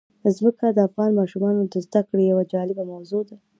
ځمکه د افغان ماشومانو د زده کړې یوه جالبه موضوع ده.